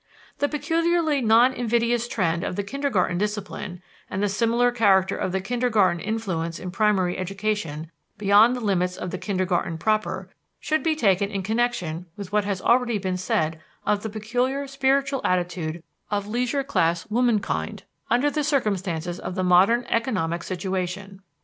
The peculiarly non invidious trend of the kindergarten discipline, and the similar character of the kindergarten influence in primary education beyond the limits of the kindergarten proper, should be taken in connection with what has already been said of the peculiar spiritual attitude of leisure class womankind under the circumstances of the modern economic situation.